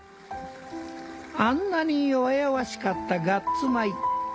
あんなに弱々しかったガッツ米。